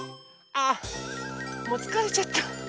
あもうつかれちゃった。